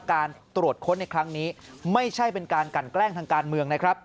การตรวจค้นในครั้งนี้ไม่ใช่เป็นการกันแกล้งทางการเมืองนะครับ